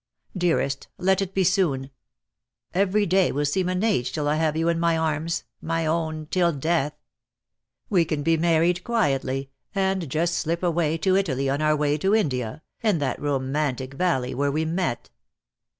"Dearest, let it be soon. Every day will seem an age till I have you in my arms, my own till death. We can be married quietly, and just slip away to Italy on our way to India, and that romantic valley where we met.